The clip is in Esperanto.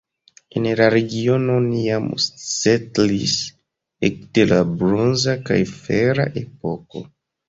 En la regiono oni jam setlis ekde la bronza kaj fera epoko.